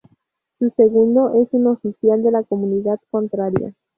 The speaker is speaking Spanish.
Su segundo es un oficial de la comunidad contraria.